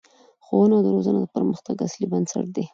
ښوونه او روزنه د پرمختګ اصلي بنسټ دی